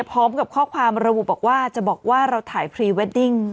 พร้อมกับข้อความระบุบอกว่าจะบอกว่าเราถ่ายพรีเวดดิ้ง